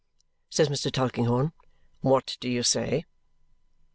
says Mr. Tulkinghorn. "What do you say?"